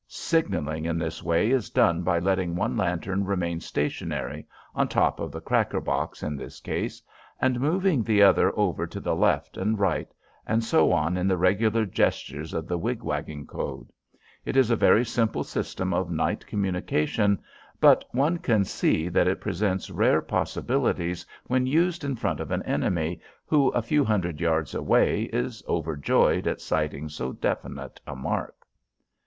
Signalling in this way is done by letting one lantern remain stationary on top of the cracker box, in this case and moving the other over to the left and right and so on in the regular gestures of the wig wagging code. It is a very simple system of night communication, but one can see that it presents rare possibilities when used in front of an enemy who, a few hundred yards away, is overjoyed at sighting so definite a mark.